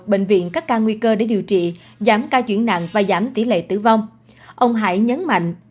bệnh viện các ca nguy cơ để điều trị giảm ca chuyển nặng và giảm tỷ lệ tử vong ông hải nhấn mạnh